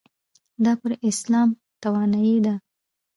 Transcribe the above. دا پر اسلام توانایۍ ده.